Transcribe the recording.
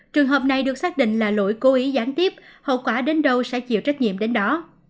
trường hợp này được xác định là lỗi cố ý gián tiếp hậu quả đến đâu sẽ chịu trách nhiệm đến đó